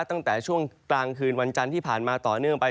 ตั้งแต่ช่วงกลางคืนวันจันทร์ที่ผ่านมาต่อเนื่องไป